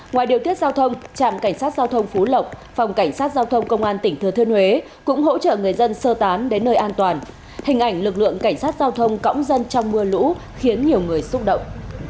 ngoài điều tiết giao thông trạm cảnh sát giao thông phú lộc phòng cảnh sát giao thông công an tỉnh thừa thiên huế cũng hỗ trợ người dân sơ tán đến nơi an toàn hình ảnh lực lượng cảnh sát giao thông cõng dân trong mưa lũ khiến nhiều người xúc động